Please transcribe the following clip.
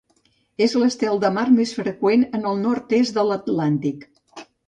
És l'estel de mar més freqüent en el nord-est de l'Atlàntic.